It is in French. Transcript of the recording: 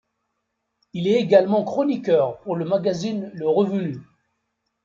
Il est également chroniqueur pour le magazine Le Revenu.